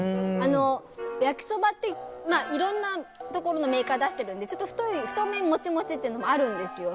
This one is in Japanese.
焼きそばっていろんなところのメーカーが出してるので太麺、モチモチってのもあるんですよ。